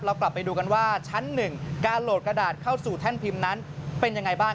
กลับไปดูกันว่าชั้นหนึ่งการโหลดกระดาษเข้าสู่แท่นพิมพ์นั้นเป็นยังไงบ้าง